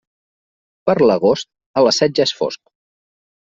Per l'agost, a les set ja és fosc.